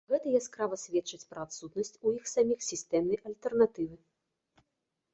Гэта яскрава сведчыць пра адсутнасць у іх саміх сістэмнай альтэрнатывы.